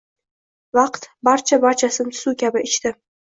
Vaqt barcha-barchasin suv kabi ichdi